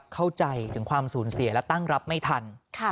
เข้าใจถึงความสูญเสียและตั้งรับไม่ทัน